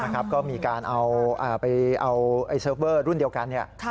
ก็มีการเอาเสิร์ฟเวอร์รุ่นเดียวกันนี่